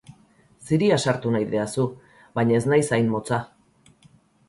Ziria sartu nahi didazu, baina ez naiz hain motza.